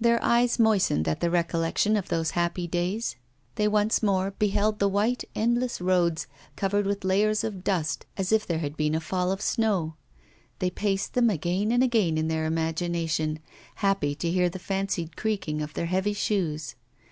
Their eyes moistened at the recollection of those happy days; they once more beheld the white endless roads, covered with layers of dust, as if there had been a fall of snow. They paced them again and again in their imagination, happy to hear the fancied creaking of their heavy shoes.